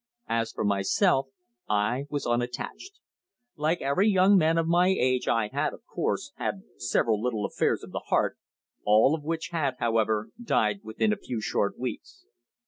As for myself, I was "unattached." Like every other young man of my age I had, of course, had several little affairs of the heart, all of which had, however, died within a few short weeks.